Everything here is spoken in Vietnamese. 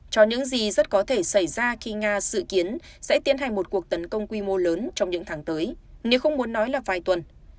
cho những gì rất có thể xảy ra khi nga dự kiến sẽ tiến hành một cuộc tấn công quy mô lớn trong những tháng tới nếu không muốn nói là vài tuần